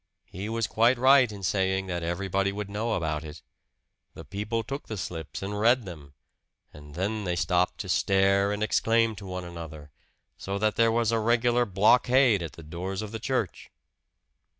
He was quite right in saying that everybody would know about it. The people took the slips and read them, and then they stopped to stare and exclaim to one another, so that there was a regular blockade at the doors of the church.